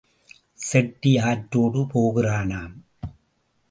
செட்டி ஆற்றோடே போகிறானாம்.